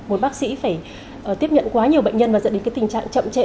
một bác sĩ phải tiếp nhận quá nhiều bệnh nhân và dẫn đến cái tình trạng chậm trễ